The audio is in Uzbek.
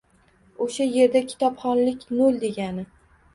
O‘sha yerda kitobxonlik nol degani.